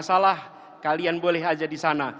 dan kami tidak boleh saja di sana